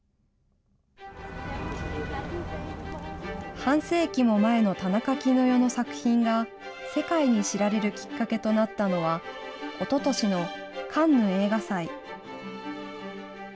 半世紀も前の田中絹代の作品が、世界に知られるきっかけとなったのは、おととしのカンヌ映画祭。